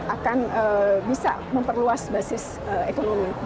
akan bisa memperluas basis ekonomi